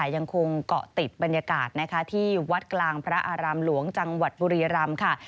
ยังคงเกาะติดบรรยากาศที่วัดกลางพระอารามหลวงจังหวัดบุรีรำค่ะ